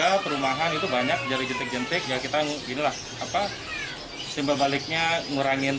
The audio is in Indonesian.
kalau perumahan itu banyak dari jentik jentik ya kita gini lah apa simpel baliknya ngurangin